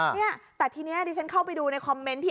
เนี่ยแต่ทีนี้ดิฉันเข้าไปดูในคอมเมนต์ที่